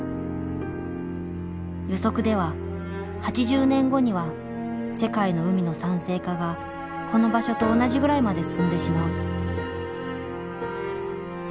予測では８０年後には世界の海の酸性化がこの場所と同じぐらいまで進んでしまう。